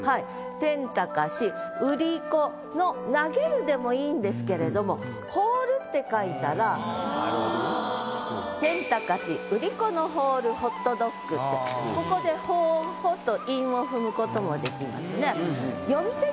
「天高し売り子の」「投げる」でもいいんですけれども「天高し売り子の放るホットドッグ」ってここで「ほ」「ホ」と韻を踏む事もできますね。